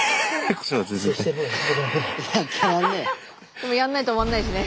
でもやんないと終わんないしね。